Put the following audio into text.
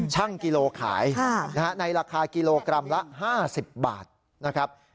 กิโลขายในราคากิโลกรัมละ๕๐บาทนะครับ